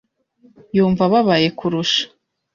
Yumva ababaye kursha .